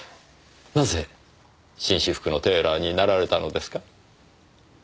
なぜ紳士服のテーラーになられたのですか？